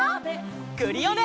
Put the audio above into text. クリオネ！